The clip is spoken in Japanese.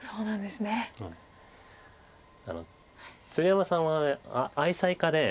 鶴山さんは愛妻家で。